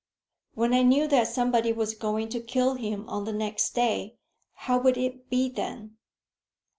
"When I knew that somebody was going to kill him on the next day, how would it be then?"